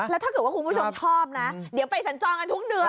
แล้วถ้าเกิดว่าคุณผู้ชมชอบนะเดี๋ยวไปสัญจรกันทุกเดือน